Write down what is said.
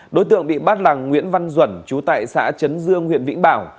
đối tượng bị bắt là nguyễn văn duẩn chú tại xã chấn dương huyện vĩnh bảo